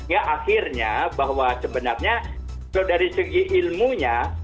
ya akhirnya bahwa sebenarnya kalau dari segi ilmunya